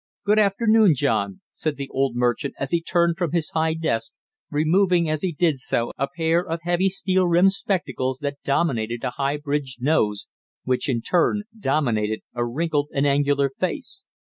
"Good afternoon, John!" said the old merchant as he turned from his high desk, removing as he did so a pair of heavy steel rimmed spectacles, that dominated a high bridged nose which in turn dominated a wrinkled and angular face.